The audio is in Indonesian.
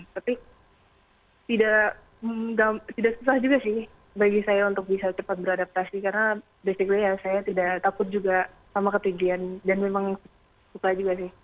tapi tidak susah juga sih bagi saya untuk bisa cepat beradaptasi karena basically ya saya tidak takut juga sama ketinggian dan memang suka juga sih